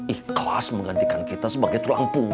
ikhlas menggantikan kita sebagai tulang punggung